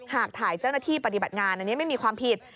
หากถ่ายเจ้าหน้าที่ปฏิบัติงานอันนี้ไม่มีความผิด